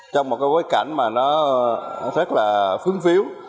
trong một cái bối cảnh mà nó rất là phương phiếu